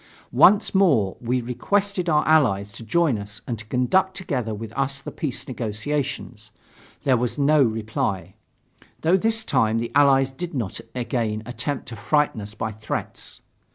Once more we requested our Allies to join us and to conduct together with us the peace negotiations. There was no reply, though this time the Allies did not again attempt to frighten us by threats.